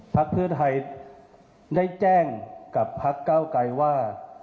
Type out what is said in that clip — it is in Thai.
พระเพื่อไทยได้แจ้งกับพระก้าวกลัยว่า